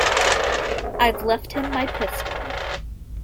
I've left him my pistol.